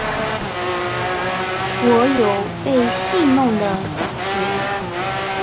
我有被戏弄的感觉